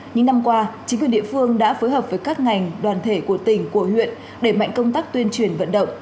những năm qua chính quyền địa phương đã phối hợp với các ngành đoàn thể của tỉnh của huyện để mạnh công tác tuyên truyền vận động